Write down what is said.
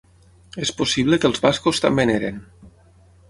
És possible que els bascos també n'eren.